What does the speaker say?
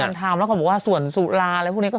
ไม่รู้ว่าจะไปเข้าขายในกรณีอะไรหรือเปล่า